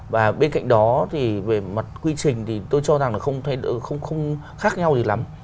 và bên cạnh đó thì về mặt quy trình thì tôi cho rằng là không khác nhau gì lắm